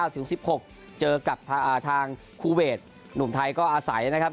๑๖เจอกับทางคูเวทหนุ่มไทยก็อาศัยนะครับ